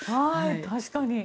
確かに。